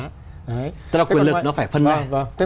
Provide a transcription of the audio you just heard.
tức là quyền lực nó phải phân ra